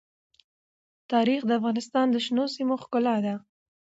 تاریخ د افغانستان د شنو سیمو ښکلا ده.